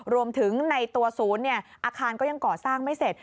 รวมถึงในตัวศูนย์อาคารก็ยังก่อสร้างไม่เสร็จ